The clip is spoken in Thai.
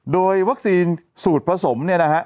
โดยวัคซีนสูตรผสม